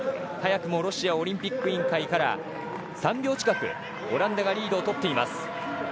早くもロシアオリンピック委員会から３秒近くオランダがリードをとっています。